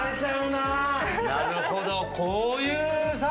なるほど、こういうサ